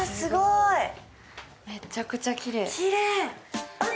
めちゃくちゃきれい。